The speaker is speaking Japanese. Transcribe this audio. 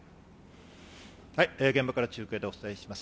現場から中継でお伝えします。